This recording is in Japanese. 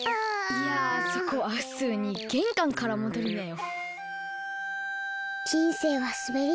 いやそこはふつうにげんかんからもどりなよ。